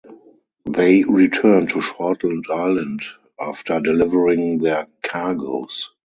They returned to Shortland Island after delivering their cargoes.